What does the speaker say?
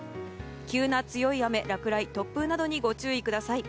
急な強い雨、落雷、突風などにご注意ください。